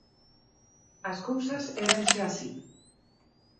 As cousas éranche así.